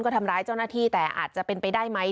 ก็ทำร้ายเจ้าหน้าที่แต่อาจจะเป็นไปได้ไหม